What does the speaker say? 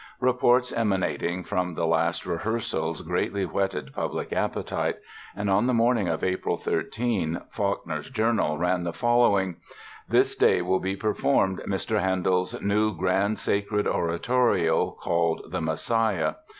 Reports emanating from the last rehearsals greatly whetted public appetite and on the morning of April 13 Faulkner's Journal ran the following: "This day will be performed Mr. Handell's new Grand Sacred Oratorio, called the Messiah.